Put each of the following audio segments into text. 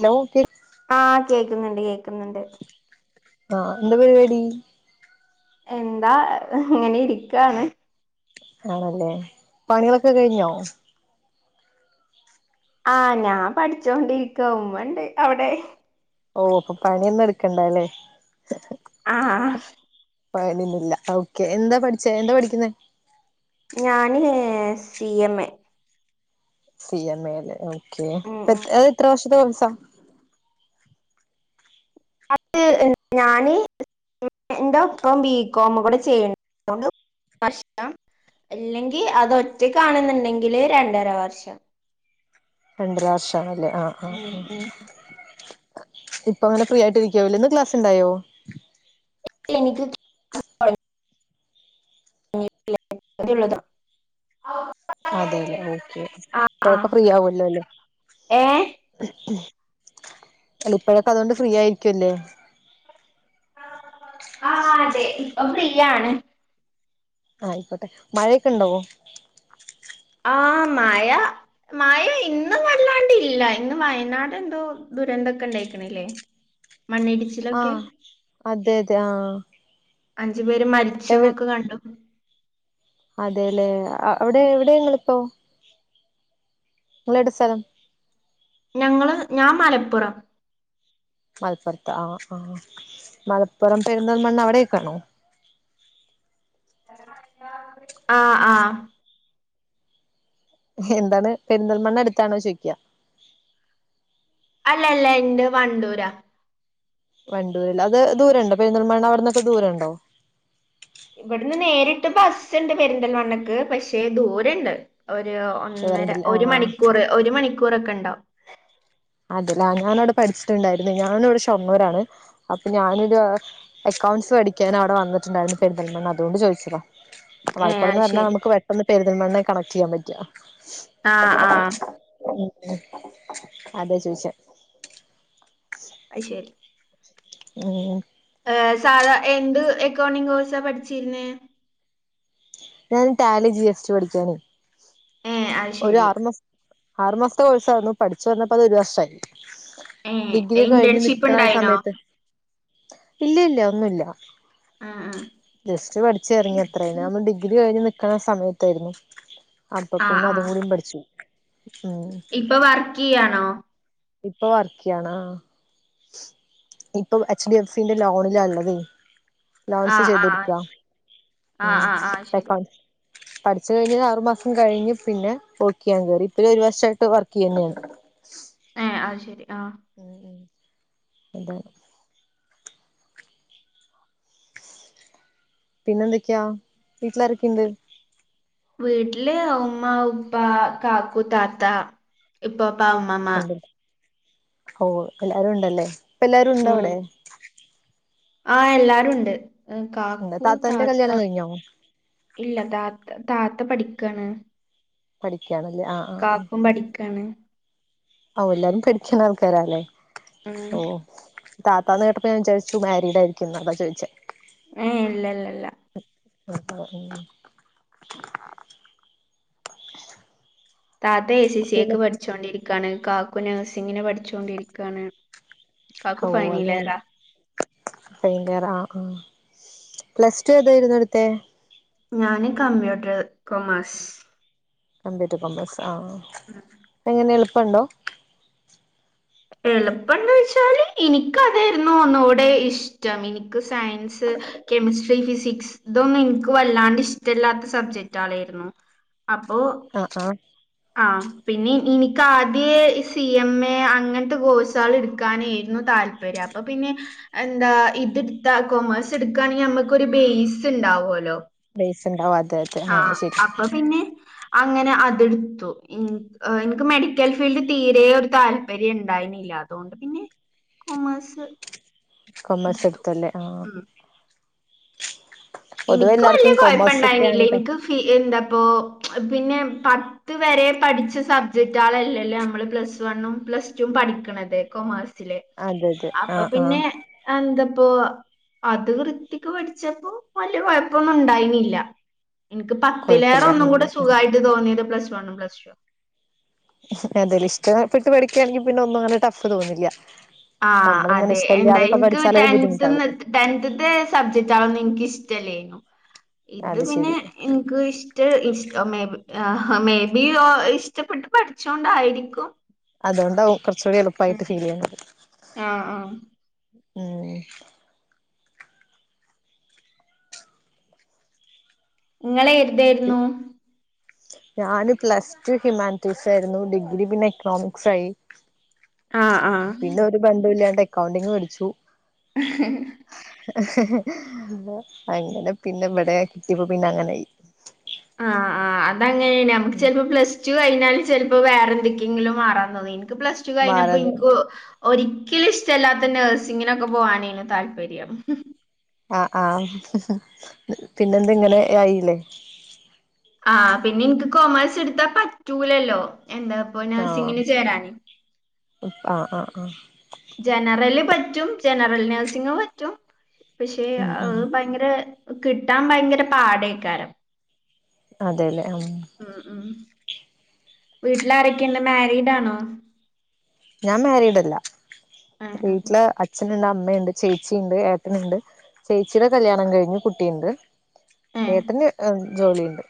Hello? ആഹ് കേക്ക്ന്നെണ്ട് കേക്ക്ന്നെണ്ട് ആഹ് എന്ത പരിപാടി എന്താ ഇങ്ങനെ ഇരിക്കാണ് ആണല്ലേ പണികളൊക്കെ കഴിഞ്ഞോ ആഹ് ഞാൻ പഠിച്ചോണ്ടിരിക്ക ഉമ്മണ്ട് അവിടെ ഓഹ് അപ്പൊ പണിയൊന്നും എടുക്കണ്ടാല്ലേ ആഹ് പണിയൊന്നില്ല ഓക്കെ എന്താ പഠിച്ചേ എന്താ പഠിക്കുന്നെ ഞാന് C M A C M ഏല് okay ഉം ഉം അത് എത്ര വർഷത്തെ കോഴ്സാ [unintelligible] ഞാന് അയ്ന്റെ ഒപ്പം ബി കോമും കൂടെ ചെയ്യണെണ്ട് അതുകൊണ്ട് [unintelligible] ഇല്ലെങ്കി അത് ഒറ്റക്കാണിന്നിണ്ടെങ്കില് രണ്ടര വർഷം രണ്ടര വർഷം ആണല്ലെ ആഹ് ആഹ് ഉം ആഹ് ഉം ഇപ്പങ്ങനെ ഫ്രീ ആയിട്ട് ഇരിക്കുവാവില്ലെ ഇന്ന് ക്ലാസ്സിണ്ടായോ [unintelligible] അതുള്ളതാ അതെല്ലേ ഓക്കെ ആഹ് ഇപ്പഴൊക്കെ ഫ്രീ ആവല്ലോ എല്ലേ ഏഹ് അല്ല ഇപ്പഴൊക്കെ അതുകൊണ്ട് ഫ്രീ ആയിരിക്കുവല്ലേ ആഹ് അതെ ഇപ്പ ഫ്രിയാണ് ആയിക്കോട്ടെ മഴേ‌ക്കിണ്ടോ ആഹ് മഴ മഴ ഇന്നു വല്ലാണ്ടില്ല ഇന്ന് വയനാട് എന്തോ ദുരന്തൊക്കെ ഇണ്ടായിക്ക ണില്ലേ മണ്ണിടിച്ചിലൊക്കെ ആഹ് അതെ അതെ ആഹ് അഞ്ചു പേര് മരിച്ചൂന്നൊക്കെ കണ്ടു അതേല്ലേ അഹ് അവിടെ എവിടെ നിങ്ങളിപ്പൊ ഇങ്ങളിടെ സ്ഥലം ഞങ്ങള്. ഞാൻ മലപ്പുറം. മലപ്പുറത്ത് ആഹ് ആഹ് മലപ്പുറം പെരുന്തൽമണ്ണ അവിടെയെക്കയാണോ. ആഹ് ആഹ് എന്താണ്. പെരിന്തൽമണ്ണ അടുത്താണോ ചോദിക്ക്യാ അല്ല അല്ല എന്റെ വണ്ടൂരാ വണ്ടൂരിൽ. അത് ദൂരെണ്ടോ പെരുന്തൽമണ്ണ അവിടന്നൊക്കെ ദൂരെണ്ടോ ഇവിടുന്ന് നേരിട്ട് ബസ്സിണ്ട് പെരിന്തൽമണ്ണക്ക് പക്ഷെ ദൂരെണ്ട് ഒര് ഒന്നര ദൂരണ്ടല്ലേ ആ ഒരു മണിക്കൂർ ഒരു മണിക്കൂറക്കെ എണ്ടാവും. അതെല്ല ഞാനവിടെ പഠിച്ചിട്ടുണ്ടായിരുന്നു ഞാനിവിടെ ഷൊർണ്ണൂരാണ് അപ്പൊ ഞാനിത് അക്കൗണ്ട്സ് പഠിക്കാൻ അവിടെ വന്നിട്ടിണ്ടായിരുന്നു പെരുന്തൽമണ്ണ അതുകൊണ്ട് ചോദിച്ചതാ ഏഹ് അത് മലപ്പുറംന്ന് പറഞ്ഞാ ശരി നമുക്ക് പെട്ടന്ന് പെരുന്തൽമണ്ണയെ കണക്ട് ചെയ്യാൻ പറ്റാ. ആഹ് ആഹ് ഉ അതെ ചോദിച്ചെ അത് ശരി ഉം ഏഹ് സാധാ എന്ത് അക്കൗണ്ടിങ് കോഴ്സാ പഠിച്ചിരുന്നേ ഞാൻ ടാലി ജി എസ് ടി പഠിക്കാനെ ഏഹ് അത് ശരി ഒരാറുമാ ആറുമാസത്തെ കോഴ്സായിരുന്നു പഠിച്ചു വന്നപ്പോ അത് ഒരു വർഷമായി ഏ ഡിഗ്രിക്കെ ഇന്റേൺഷിപ്പ് കഴിഞ്ഞ്നിക്കണ ആ ഉണ്ടായിനോ സമയത്ത് ഇല്ല ഇല്ല ഒന്നുമില്ല ആ ജസ്റ്റ് പഠിച്ചു ഇറങ്ങി അത്രേ ന ഡിഗ്ര കഴിഞ്ഞു നിക്കണ സമയത്തായിരുന്നു അപ്പൊ ആ ആ പിന്നെ ആ അതും കൂട പഠിച്ചു ഉം ഇപ്പൊ വർക്ക് ചെയ്യാണോ ഇപ്പൊ വർക്ക് ചെയ്യണ ആണോ ഇപ്പൊ എച്ച് ഡി എഫ് സിന്റെ ലോണിലാ ഉള്ളത് ആ ലോൺസ് ചെയ്ത് ആ കൊടുക്കുക ആ ഉം ആ ആ ഇപ്പൊ ശരി അക്കൗ പഠിച്ചു കഴിഞ്ഞൽ ആറുമാസം കഴിഞ്ഞ് പിന്നെ വർക്ക് ചെയ്യാൻ കയറി ഇപ്പ ഒരു വർഷമായിട്ട് വർക്ക് ചെയ്യ തന്നെയാണ് അത്ശരി ആഹ് ഉം ഉം. അതെ പിന്നെന്തൊക്കെയാ വീട്ടിലാരൊക്കെ ഉണ്ട് വീട്ടില് ഉമ്മ ഉപ്പാ കാക്കു താത്ത ഇപ്പപ്പ ഉമാമ്മ ഉണ്ട് ഓ എല്ലാരും ഉണ്ടല്ലേ ഇപ്പ എല്ലാരും ഉണ്ടോ അവിടെ ആഹ് എല്ലാരുണ്ട് കാക്കു താത്താന്റെ താത്ത കല്യാണം കഴിഞ്ഞോ ഇല്ല താത്ത താത്ത പഠിക്കാണ്. പഠിക്കാണല്ലേ ആഹ് കാക്കും പഠിക്കാണ് ഓ എല്ലാരും പഠിക്കുന്ന ആൾക്കാരല്ലേ ഉം ഓ താത്താന്ന് കേട്ടപ്പോ ഞാൻവിചാറിച്ചു മാരിഡ ആയിരിക്കുന്ന് അതാ ചോദിച്ചെ ഏ ഇല്ല ഇല്ല ഇല്ല നട്ട [unintelligible] താത്ത എ സി പിന്നെ സിയക്ക് പഠിച്ചുകൊണ്ടിരിക്കയാണ് കാക്കു നേഴ്സിങ്ങിന് പഠിച്ചുകൊണ്ടിരിക്കുകയാണ് ഓ അതെല്ലെ ഭയങ്കര ആഹ് ആഹ് പ്ലസ് ടു ഏതായിരുന്നു എടുത്തെ ഞാന് കമ്പ്യൂട്ടർ കൊമേഴ്സ് കമ്പ്യൂട്ടർ കോമേഴ്സ് ആ ഉം എങ്ങനൊണ് എളുപ്പമുണ്ടോ എളുപ്പന്ന് വെച്ചാല് എനിക്ക അതായിരുന്നു ഒന്നോടെ ഇഷ്ടം എനിക്ക് സയൻസ് കെമിസ്ട്രി ഫിസിക്സ് ഇതൊന്നും എനിക്ക് വല്ലാണ്ട് ഇഷ്ടമല്ലാത്ത സബ്ജക്റ്റ ആയിരുന്നു അപ്പോ ആ ഹ്ആഹ് ആഹ് പിന്നെ എനിക്കാദ്യ സി എം എ അങ്ങനത്തെ കോഴ്സാണ് എടുക്കാനായിരുന്നു താല്പ ര്യം അപ്പൊ പിന്നെ എന്താ ഇത് എടുത്താ കൊമേഴ്സ് എടുക്കാണെങ്കിൽ നമ്മുക്കൊരു ബേസ് ഉണ്ടാവോല്ലോ ബേസ്ണ്ടാവും അതെ അതെ ആഹ് ശരി അപ്പൊ പിന്നെ അങ്ങനെ അത്‌ എടുത്തു എനിക്ക് മെഡിക്കൽ ഫീൽഡിൽ തീരെ ഒരു താല്പര്യം ഉണ്ടായിരുന്നില്ല അതുകൊണ്ട് പിന്നെ കൊമേഴ്സ് കോമേഴ്സ് ഇട് എടുത്തു തു അല്ലേ ആഹ് ഉം പൊതുവെ എനിക്ക് വലിയ എല്ലാർക്കും കുഴപ്പ കൊമേഴ്സ് ഒക്കെയാണ് ഇണ്ടായിനില്ല എനിക്ക് ടഫ് ഫീ എന്താപ്പോ പിന്നെ പ പത്ത് വരെ പഠിച്ച സബ്ജക്ട് ആളല്ലല്ലേ നമ്മള് പ്ലസ് വണ്ണും പ്ലസ് ടും പഠിക്കണത് കൊമേഴ്സ് സിലെ അതെ അതെ അപ്പൊ ആഹ് ആഹ് പിന്നെ എന്താപ്പോ അത് വൃത്തിക്ക് പഠിച്ചപ്പോ വല്ല്യ കോഴപ്പൊന്നുണ്ടായിന്നില്ല ഇൻക്ക് പത്തിലേറെ കൊഴപ്പില്ല ഒന്നും കൂടെ സുഖായിട്ട് തോന്നിയത് പ്ലസ് വണ്ണും, പ്ലസ്ടുവാ അതേല ഇഷ്ടപ്പെട്ട് പഠിക്കാണെങ്കി പിന്നെയൊന്നും അങ്ങനെ ടഫ് തോന്നില്ല്യ ആഹ് അതെ എന്താ ഇൻക്ക് ടെൻത്ത്ന്ന്ത്ര ബുദ്ധിമുട്ടാകും ടെൻത്ത്ത്തെ സബ്ജക്ടാണൊന്നും ഇൻക്കിഷ്ടല്ലേനു ഇത് അത് പിന്നെ ശരി ഇന് ക്ക് ഇഷ്ട ഇഷ മേ ബി മേ ബി ഇഷ്ടപ്പെട്ട് പഠിച്ചോണ്ടായിരിക്കും അതോണ്ടാവും കൊറച്ചുകൂടി ഉം എളുപ്പായിട്ട് ഫീലെയ്യുന്നത് ആ ആ ഉം ഇങ്ങളേതേരുന്നു ഞാന് പ്ലസ് ടു ഹ്യുമാനിറ്റീസായിരുന്നു ഡിഗ്രി പിന്നെ എക്കണോമിക്സായി ആഹ് ആഹ് പിന്നൊരു ബഡുല്ലാണ്ട് അക്കൗണ്ടിങ് പഠിച്ചു [inaudible] അങ്ങനെ പിന്നെ ഇവിടെത്തിയപ്പോ പിന്നെ അങ്ങനെയായി ആഹ് ആ അതങ്ങനേണ് നമ്മക്ക് ചെലപ്പോ പ്ലസ് ടു ടു കഴഞ്ഞാല് ചെലപ്പോ വേറെന്തൊക്കെങ്കിലും മാറാൻ തോന്നും ഇൻക്ക് പ്ലസ്ടു കഴിഞ്ഞപ്പോ മാറത് ഇൻക്ക് ഒരിക്കലും ഇഷ്ടല്ലാത്ത നഴ്സിങ്ങിനൊക്കെ പോവാനേനു താല്പര്യം ആഹ് ആഹാ പിന്നെന്തെയിങ്ങനെ ആയില്ലേ? ആഹ് പിന്നെൻക്ക് കൊമേഴ്സ്ട്ത്താ പറ്റൂലല്ലോ? എന്താ ഇപ്പൊ ആഹ ആഹ നഴ്സിങ്ങിന് ചേരാന് ആഹ ആഹ ജനറല് പറ്റും ജനറൽ നേഴ്സിങ് പറ്റും പക്ഷെ ഉം ഉം അത് ഭയങ്കര കിട്ടാൻ ഭയങ്കര പാടേക്കാരം അതേലെ? ഉം ഉം ഉം വീട്ടിലാരൊക്കെണ്ട് മാരിഡാണോ? ഞാൻ മാരീഡല്ല ആഹ് ആഹ് വീട്ടില് അച്ച നുണ്ട്, അമ്മയുണ്ട്, ചേച്ചിയ്ണ്ട്, ഏട്ടന്ണ്ട്, ചേച്ചിയുടെ കല്യാണം കഴിഞ്ഞ് കുട്ടിയുണ്ട് ഏഹ് ഏട്ടന് ജോലിയ്ണ്ട്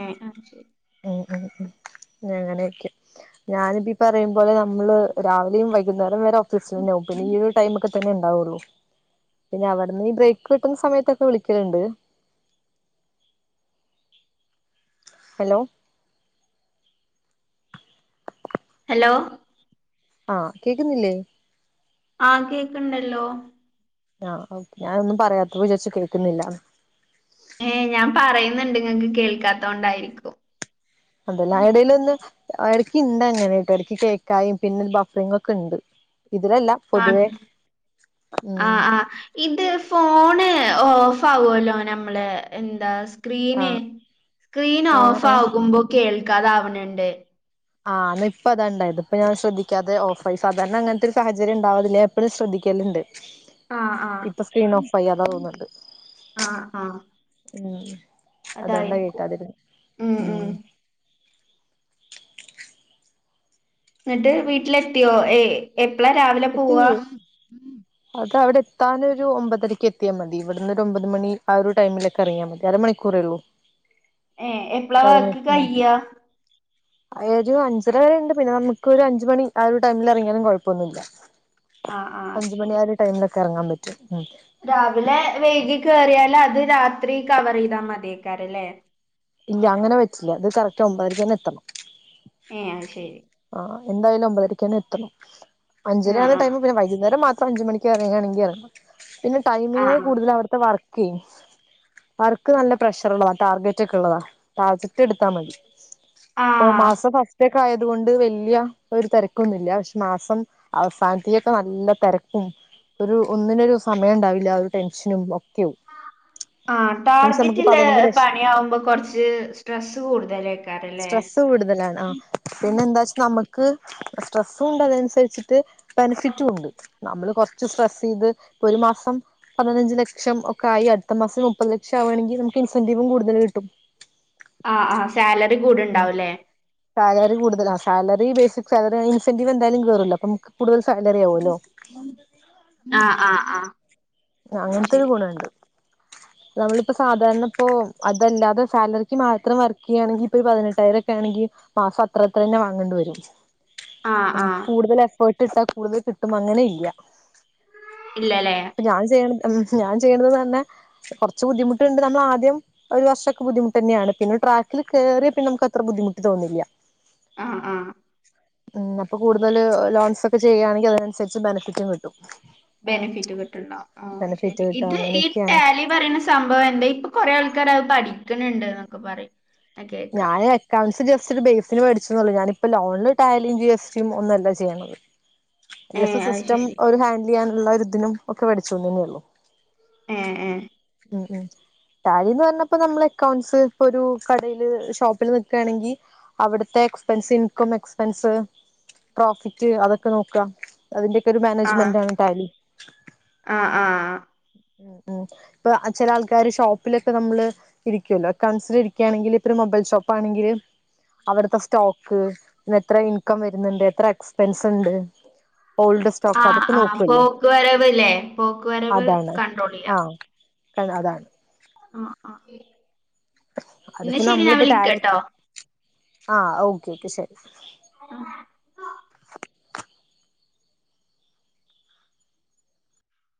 ഏഹേ അഹ് ശെരി ഉം ഉം ഉം അങ്ങനെയെക്കെ ഞാനിപ്പയീ പറയുംപോലെ നമ്മള് രാവിലെയും വൈകുന്നേരം വരെ [unintelligible] ണ്ടാവും പിന്ന ഈയൊരു ടൈമൊക്കെ തന്നെണ്ടാവൊള്ളു പിന്നെ അവിടുന്ന് ഈ ബ്രേക്ക് കിട്ടുന്ന സമയത്തൊക്കെ വിളിക്കലണ്ട് ഹലോ ഹലോ ആഹ് കേക്ക്ന്നില്ലേ? ആഹ് കേക്ക്ണ്ടല്ലോ ആ ഓക്കെ ഞാനൊന്നും പറയാത്തപ്പ വിചാരിച്ചു കേൾക്കുന്നില്ലാന്ന്‌ ഏ് ഞാൻ പറയുന്നുണ്ട് ഇങ്ങക്ക് കേക്കാത്തോണ്ടായിരിക്കും അതേലേ? എടയിലൊന്ന് എടക്കിണ്ടങ്ങനെട്ടോ എടക്കി കേക്കായിം പിന്നെ ബഫറിങ്ങാക്കെണ്ട് ഇതിലെല്ലാ ആഹ് ആഹ ആഹാ ഇത് ഫോണ് ഓഫാവൊല്ലോ നമ്മള് എന്താ സ് ക്രീന് ആഹ് സ്ക്രീൻ ആഹ് ആഹ് ഓഫാകുമ്പോ കേൾക്കാതാവ്ണ് ണ്ട് ആഹ് ഇന്നായിപ്പതാണ്ടായത് ഇപ്പ ഞാൻ ശ്രദ്ധിക്കാതെ ഓഫായി സാധാരണ അങ്ങനത്തെരു സാഹചര്യണ്ടാവല്ലില്ല ഞാ എപ്പഴും ശ്രദ്ധിക്കല്ണ്ട് ആ ആ ഇപ്പം സ്ക്രീനോഫായി അതാ തോന്നുണ്ട് ആഹ് ആഹാ ഉം അതൊണ്ടാ കിട്ടാതെയിരുന്നേ ഉം. എന്നിട്ട് വീട്ടിലെത്തിയോ ഏ എപ്പളാ രാവിലെ എത്തി പോവാ. [inaudible] അത് അവിടെ എത്താനൊരു ഒമ്പതരക്ക് എത്തിയാൽ മതി. ഇവിടുന്നൊരു ഒമ്പത് മണി ആ ഒരു ടൈമിലൊക്കെ ഇറിങ്ങിയാ മതി. അരമണിക്കൂറേ ഒള്ളൂ. ഏ എപ്പളാ വർക്ക് [unintelligible] കയ്യാ ഒരു അഞ്ചര വരെ ഉണ്ട്, പിന്നെ നമുക്ക് ഒരു അഞ്ചു മണി ആ ഒരു ടൈമില് എറങ്ങിയാലും കുഴപ്പൊന്നുമില്ല. ആ ആ അഞ്ചുമണി ശരി ആ ഒരു ടൈമിലൊക്കെ ഇറങ്ങാൻ പറ്റും ഉം. രാവിലെ വൈഗി കയറിയാൽ അത് രാത്രി കവറ് ചെയ്താൽ മതിയാകാരംല്ലേ. ഇല്ല അങ്ങനെ പറ്റില്ല ഇത് കറക്റ്റ് ഒമ്പതരക്കന്നെ എത്തണം. ഏ അഹ് ശെരി. ആ എന്തായാലും ഒമ്പതരക്കെന്നെ എത്തണം. അഞ്ചര ആ ആണ് ആ ടൈം പിന്നെ വൈകുന്നേരം മാത്രം അഞ്ചു മണിക്ക്, [unintelligible] പിന്നെ ആ ടൈമിങ്ങ് കൂടുതൽ അവിടുത്തെ വർക്കെയ്യും. വർക്ക് നല്ല പ്രഷർള്ളതാ ടാർഗറ്റ് ഒക്കെ ഉള്ളതാ. ടാർഗറ്റ് എടുത്താൽ മതി. ആ ഓ ആ മാസം ഫസ്റ്റകെ ആയ തുകൊണ്ട് വല്യ ഒരു തിരക്കൊന്നുല്ല, പക്ഷെ മാസം അവസാനത്തേക്ക് നല്ല തെരക്കും, ഒരു ഒന്നിനും ഒരു സമയം ഉണ്ടാവില്ല ഒരു ടെൻഷനും ഒക്കെയാവും. ആ മീൻസ് നമുക്ക് ടാർഗറ്റുള്ള പതിനഞ്ച് ലക്ഷം പണിയാകുമ്പോ കുറച്ച് സ്ട്രെസ്സ് കൂടുതല്ലയികാരംല്ലേ. സ്ട്രെസ്സ് കൂടുതലാണ് ആ. പിന്നെ എന്താ വെച്ച നമ്മുക്ക് സ്ട്രെസ്സുംണ്ട് അതനുസരിച്ചിട്ട് ബെനിഫിറ്റും ഉണ്ട്. നമ്മള് കൊറച്ച് സ്ട്രെസ്സ് ചെയ്ത് ഇപ്പൊ ഒരു മാസം, പതിനഞ്ച് ലക്ഷം ഒക്കെ ആയി അടുത്ത മാസം മുപ്പത് ലക്ഷം ആവാണെങ്കിൽ നമുക്ക് ഇൻസെന്റീവും കൂടുതൽ കിട്ടും. ആ ആ സാലറി കൂടിണ്ടാവുല്ലേ. സാലറി കൂടുതലാ. സാലറി ബേസിക് സാലറി ഇൻസന്റീവ് എന്തായാലും കേറല്ലോ, അപ്പൊ നമക്ക് കൂടുതൽ സാലറി ആവുല്ലോ. ആഹ് ആ ആ. അത് അങ്ങൻത്തെരു ശരി ഗുണണ്ട്. നമ്മളിപ്പോ സാധാരണ ഇപ്പോ അതല്ലാതെ സാലറിക്ക് മാത്രം വർക്ക് ചെയ്യുകയാണെങ്കി, ഇപ്പൊ പതിനെട്ടായിരംക്കെ ആണെങ്കി, മാസം അത്ര തന്നെ വാങ്ങേണ്ടി വരും. ആ ആ നമക്ക് കൂടുതൽ എഫേർട്ട് ഇട്ടാ കൂടുതൽ കിട്ടും അങ്ങനെ ഇല്ല. ഇല്ലാല്ലേ. ഞാൻ ചെയ്യണത് ഞാൻ ചെയ്യണതന്നെ കൊറച്ച് ബുദ്ധിമുട്ടുണ്ട്. നമ്മള് ആദ്യം ഒരു വർഷൊക്ക ബുദ്ധിമുട്ടന്നെയാണ്. പിന്നെ ട്രാക്കിൽ കേറിയ പിന്നെ നമക്ക് അത്ര ബുദ്ധിമുട്ട് തോന്നില്ല. ആഹ് ആ. ഉം അപ്പൊ കൂടുതല് ലോൺസ് ഒക്കെ ചെയ്യുകയാണെങ്കിൽ അതിനനുസരിച്ച് ബെനിഫിറ്റും കിട്ടും. ബെനിഫിറ്റ് കിട്ടുണ്ടോ ആ ബെനിഫിറ്റ് ശെരി. കിട്ടും ഇത് ഈ അങ്ങനെയൊക്കെയാണ് ടാലി പറയണ സംഭവം എന്താ, ഇപ്പൊ കൊറെ ആൾകാര് അത് പഠിക്ക്ണണ്ട് എന്നൊക്കെ പറയും. ഞാൻ കേക്കാം ഞാന് കൗൺസ് ജസ്റ്റ് ഒരു ബേസിന് പഠിച്ച്ന്നോള്ളൂ. ഞാനിപ്പ ലോണില് ടാലിയും ജി എസ് ടി ഒന്നും അല്ല ചെയുന്നത്. ഏ ജസ്റ്റ്‌ അത് സിസ്റ്റം ശരി ഒരു ഹാൻഡിൽ ചെയ്യാനുള്ള ഒരുതിനും ഒക്കെ പഠിച്ചുന്നന്നെ ഒള്ളു. ഏഹ് ഏ. ഉം ഉം ടാലിന്ന് പറഞ്ഞ പ്പ നമ്മള് അക്കൗണ്ട്സ് ഇപ്പൊരു ക ടയില് ഷോപ്പില് നിക്കേണെങ്കി അവിടുത്തെ എക്സ്പെൻസ് ഇൻകം എക്സ്പെൻസ്, പ്രോഫിറ്റ് അതൊക്കെ നോക്ക അതിന്റെയോക്കെ ഒരു മാനേജ്മെന്റണ് ടാലി. ആഹ് ആ. ഉം ഉം ഇപ്പൊ ചില ആൾക്കാര് ഷോപ്പിലൊക്കെ നമ്മള് ഇരിക്കല്ലോ കൺസില ക്കാണെങ്കില് ഇപ്പം മൊബൈൽ ഷോപ്പാണെങ്കില്, അവിടുത്തെ സ്റ്റോക്ക് ഇന്ന് എത്ര ഇൻകം വരുന്നുണ്ട് എത്ര എക്സ്പെൻസ് ഉണ്ട് ഓൾഡ്സ് ആ ആ പോക്ക് വരവ് ലേ പോക്ക് വരവ് കണ്ട്രോൾ ചെയ്യ കണം അതാണ് ആ ആ എന്നാ അതിപ്പോ ശരി ഞാൻ നമ്മളിപ്പോ ടാലി വിളിക്കട്ടോ ആഹ് ഓക്കെ ഓക്കെ ശരി ഉം